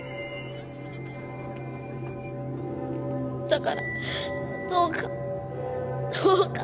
だからどうか。